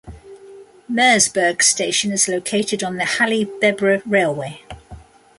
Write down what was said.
Merseburg station is located on the Halle-Bebra railway.